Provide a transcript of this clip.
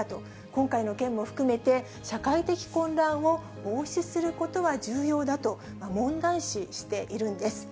今回の件も含めて、社会的混乱を防止することは重要だと、問題視しているんです。